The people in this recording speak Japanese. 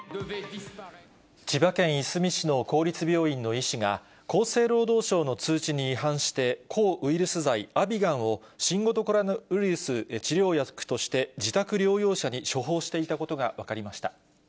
千葉県いすみ市の公立病院の医師が、厚生労働省の通知に違反して、抗ウイルス剤、アビガンを新型コロナウイルス治療薬として自宅療養者に処方していたことが分かりました。